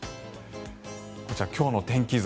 こちら、今日の天気図。